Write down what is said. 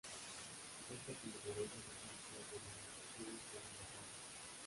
Cuenta con numerosas industrias de manufacturas y alimentarias.